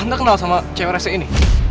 tante kenal sama cewek resenya ini